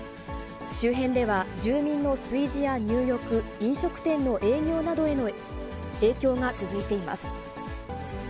周辺では、住民の炊事や入浴、飲食店の営業などへの影響が続いています。